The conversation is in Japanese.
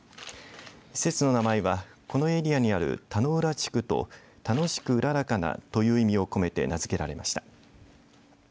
施設の名前はこのエリアにある田ノ浦地区とたのしく、うららかなという意味を込めて名付けられました。